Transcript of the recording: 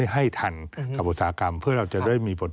ให้ทันกับอุตสาหกรรม